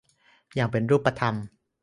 อย่างเป็นรูปธรรม